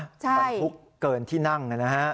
บรรทุกเกินที่นั่ง